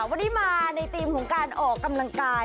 วันนี้มาในธีมของการออกกำลังกาย